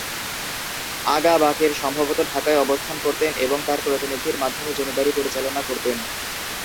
আগা বাকের সম্ভবত ঢাকায় অবস্থান করতেন এবং তার প্রতিনিধির মাধ্যমে জমিদারি পরিচালনা করতেন।